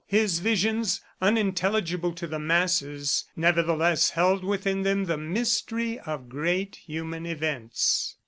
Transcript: His visions, unintelligible to the masses, nevertheless held within them the mystery of great human events.